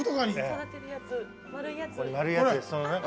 丸いやつ。